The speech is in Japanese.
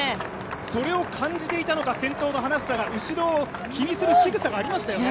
それを感じていたのか、先頭の花房が後ろを気にするしぐさがありましたよね？